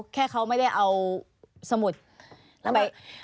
แค่เขาไม่ได้เอาสมุทรไป